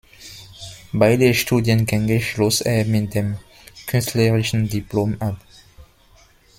Beide Studiengänge schloss er mit dem künstlerischen Diplom ab.